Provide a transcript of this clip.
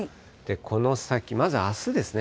この先、まずあすですね。